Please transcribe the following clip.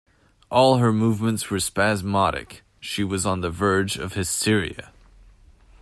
All her movements were spasmodic; she was on the verge of hysteria.